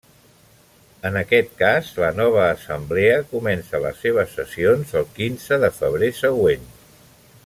En aquest cas, la nova Assemblea comença les seves sessions el quinze de febrer següent.